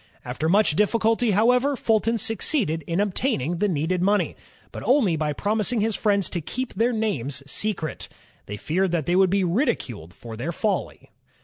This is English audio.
After much difficulty, however, Fulton succeeded in obtaining the needed money, but only by promising his friends to keep their names secret. They feared that they would be ridiculed for their folly.